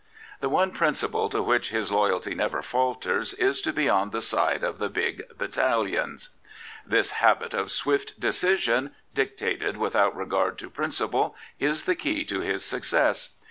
The one principle to which his loyalty never falters is to be on the side of the big battaliq^. This habit of swift decision, dictated without regard to principle, is the key to his success.